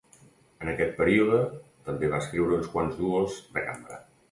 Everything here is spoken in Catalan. En aquest període també va escriure uns quants duos de cambra.